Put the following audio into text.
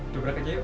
dobrak saja yuk